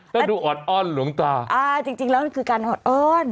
แล้วดูออดอ้อนหลวงตาอ่าจริงแล้วมันคือการออดอ้อน